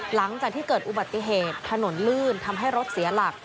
หลังจากที่เกิดอุบัติเหตุถนนลื่นทำให้รถเสียหลัก